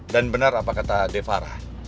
dan benar apa kata de farah